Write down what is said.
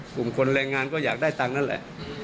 กลุ่มคนแรงงานก็อยากได้ตังค์นั่นแหละ